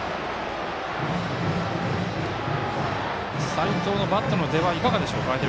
齋藤のバットの出はいかがですか。